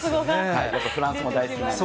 フランスも大好きなんで。